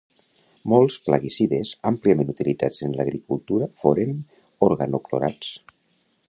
Molts plaguicides àmpliament utilitzats en l'agricultura foren organoclorats.